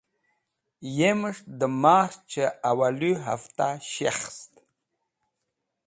Yemes̃h dẽ March-e awalũ hafta shekhest.